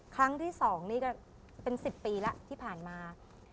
ครั้งที่๒นี่ก็เป็น๑๐ปีแล้วที่ผ่านมา